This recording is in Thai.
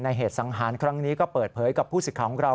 เหตุสังหารครั้งนี้ก็เปิดเผยกับผู้สิทธิ์ของเรา